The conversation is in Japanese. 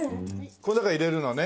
この中へ入れるのね？